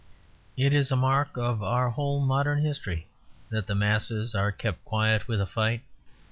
It is a mark of our whole modern history that the masses are kept quiet with a fight.